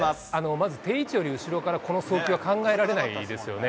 まず定位置より後ろからこの送球は考えられないですよね。